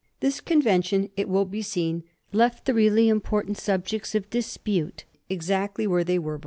This convention, it will be seen, left the really im portant subjects of dispute exactly where they were be fore.